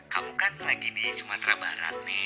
kamu kan lagi di sumatera barat nih